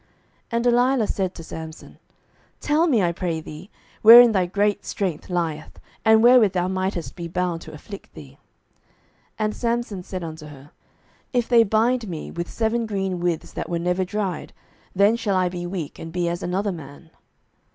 07:016:006 And Delilah said to Samson, Tell me, I pray thee, wherein thy great strength lieth, and wherewith thou mightest be bound to afflict thee. 07:016:007 And Samson said unto her, If they bind me with seven green withs that were never dried, then shall I be weak, and be as another man.